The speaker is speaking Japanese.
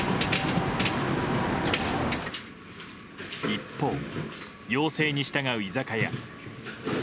一方、要請に従う居酒屋。